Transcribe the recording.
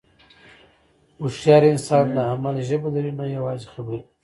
هوښیار انسان د عمل ژبه لري، نه یوازې خبرې.